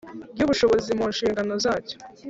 ry ubushobozi mu nshingano zacyo